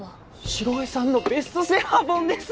城井さんのベストセラー本です。